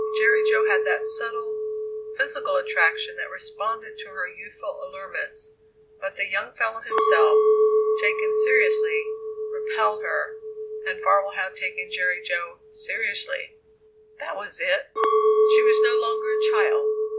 Jerry Jo had that subtle, physical attraction that responded to her youthful allurements, but the young fellow himself, taken seriously, repelled her, and Farwell had taken Jerry Jo seriously! That was it! She was no longer a child.